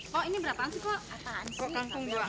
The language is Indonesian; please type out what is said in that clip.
kok ini berapaan sih kok apaan sih